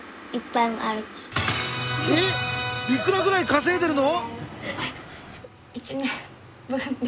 えっいくらぐらい稼いでいるの？